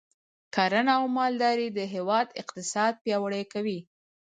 کرنه او مالداري د هیواد اقتصاد پیاوړی کوي.